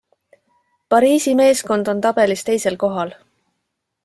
Pariisi meeskond on tabelis teisel kohal.